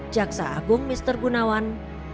jaksa agung mister gunawan